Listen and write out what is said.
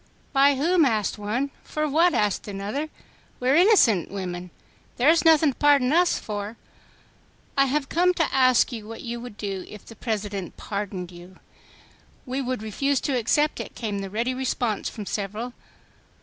"By whom?" asked one. "For what?" asked another. "We are innocent women. There is nothing to pardon us for." "I have come to ask you what you would do if the President pardoned you." "We would refuse to accept it," came the ready response from several.